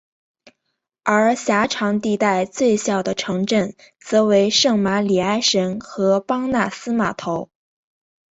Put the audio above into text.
而狭长地带最小的城镇则为圣玛里埃什和邦纳斯码头。